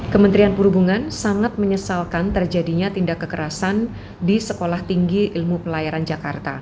kementerian perhubungan sangat menyesalkan terjadinya tindak kekerasan di sekolah tinggi ilmu pelayaran jakarta